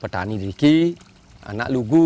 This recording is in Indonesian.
petani ini tidak lugu